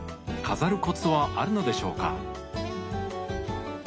飾るコツはあるのでしょうか？